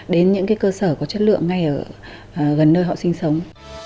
đến những cơ sở có chất lượng ngay ở gần nơi họ sinh sống